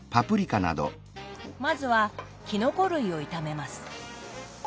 まずはきのこ類を炒めます。